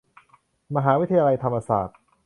มหาวิทยาลัยธรรมศาสตร์